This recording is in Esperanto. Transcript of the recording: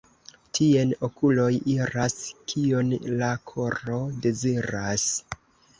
Tien okuloj iras, kion la koro deziras.